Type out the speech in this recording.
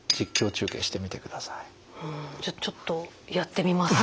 うんじゃあちょっとやってみますか。